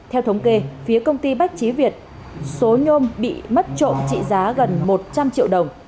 theo thống kê phía công ty bách trí việt số nhôm bị mất trộm trị giá gần một trăm linh triệu đồng